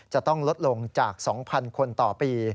จะต้องลดลงจาก๒๐๐คนต่อปี